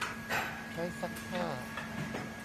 ใช้ซักผ้า ?